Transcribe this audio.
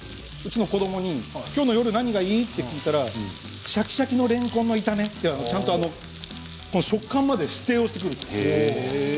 うちの子どもにきょう何がいい？と聞いたらシャキシャキのれんこん炒めとちゃんと食感まで指定をしてくるんです。